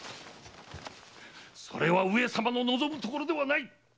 それは上様の望むところではない！